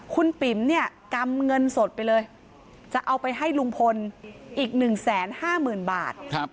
คุณปิ๋มเนี่ยกำเงินสดไปเลยจะเอาไปให้ลุงพลอีก๑๕๐๐๐บาท